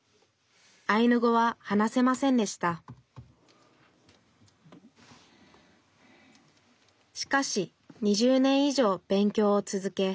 アイヌ語は話せませんでしたしかし２０年以上勉強を続け